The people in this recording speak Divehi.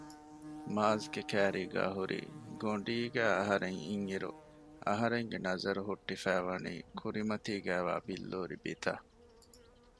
މާޒްގެ ކައިރީގައި ހުރި ގޮނޑީގައި އަހަރެން އިންއިރު އަހަރެންގެ ނަޒަރު ހުއްޓިފައިވަނީ ކުރިމަތީގައިވާ ބިއްލޫރި ބިތަށް